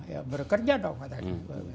ya bekerja dong katanya